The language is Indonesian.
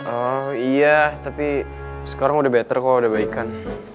oh iya tapi sekarang udah better kok udah baikan